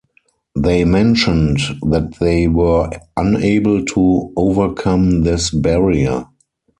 They mentioned that they were unable to overcome this "barrier".